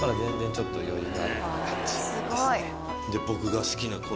僕が好きな